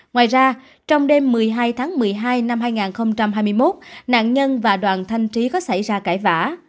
ngoài ra trong đêm một mươi hai tháng một mươi hai năm hai nghìn hai mươi một nạn nhân và đoàn thanh trí có xảy ra cãi vã